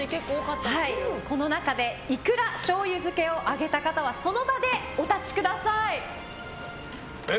この中でいくら醤油漬を上げた方はその場でお立ちください。